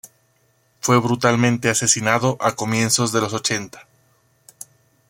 Fue brutalmente asesinado a comienzos de los ochenta.